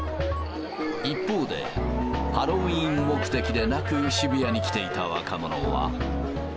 一方で、ハロウィーン目的でなく渋谷に来ていた若者は。